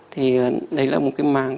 thì đấy là một cái màng